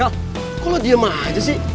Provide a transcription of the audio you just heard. eh kal kok lo diem aja sih